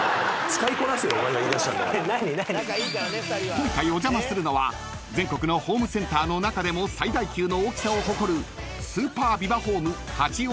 ［今回お邪魔するのは全国のホームセンターの中でも最大級の大きさを誇る］